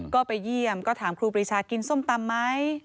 ก็ไปเยี่ยมก็ถามครูปรีชากินส้มตำไหม